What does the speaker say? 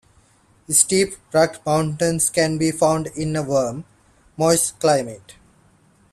Steep, rugged mountains can be found in a warm, moist climate.